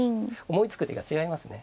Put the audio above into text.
思いつく手が違いますね。